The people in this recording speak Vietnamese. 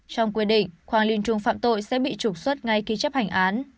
trong quyết định quang linh trung phạm tội sẽ bị trục xuất ngay khi chấp hành án